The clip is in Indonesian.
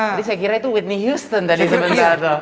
jadi saya kira itu whitney houston tadi sebentar itu